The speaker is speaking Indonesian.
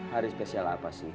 hari spesial apa sih